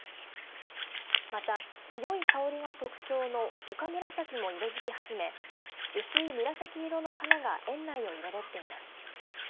また強い香りが特徴のオカムラサキも色づき始め薄い紫色の花が園内を彩っています。